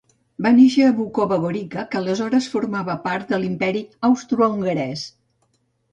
Va néixer a Vukova Gorica, que aleshores formava part de l'Imperi Austrohongarès.